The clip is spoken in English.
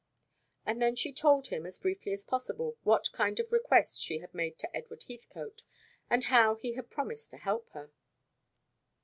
And then she told him, as briefly as possible, what kind of request she had made to Edward Heathcote, and how he had promised to help her.